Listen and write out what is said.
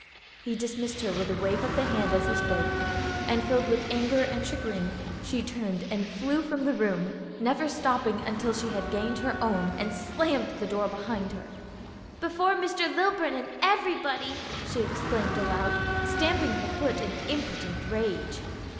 He dismissed her with a wave of the hand as he spoke, and, filled with anger and chagrin, she turned and flew from the room, never stopping till she had gained her own and slammed the door behind her. "Before Mr. Lilburn and everybody!" she exclaimed aloud, stamping her foot in impotent rage.